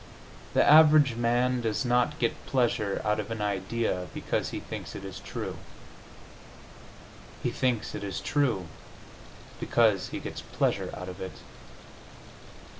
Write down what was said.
The average man does not get pleasure out of an idea because he thinks it is true; he thinks it is true because he gets pleasure out of it.